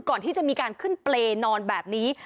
ก่อนที่จะมีการขึ้นเปรย์นอนแบบนี้